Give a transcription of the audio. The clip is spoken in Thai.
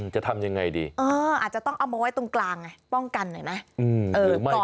จะทำยังไงดีอาจจะต้องเอามาไว้ตรงกลางไงป้องกันหน่อยไหม